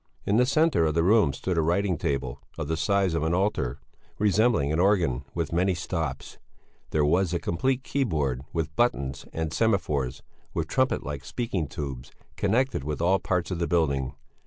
In the centre of the room stood a writing table, of the size of an altar, resembling an organ with many stops; there was a complete key board with buttons and semaphores with trumpet like speaking tubes, connected with all parts of the building.